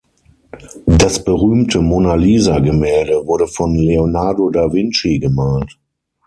Das berühmte Mona Lisa-Gemälde wurde von Leonardo Da Vinci gemalt.